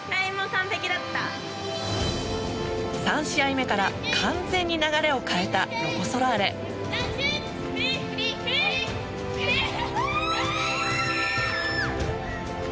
３試合目から完全に流れを変えたロコ・ソラーレ。